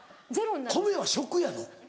米は食やぞ。